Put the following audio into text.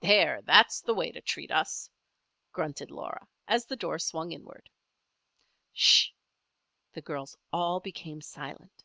"There! that's the way to treat us," grunted Laura, as the door swung inward. "Sh!" the girls all became silent.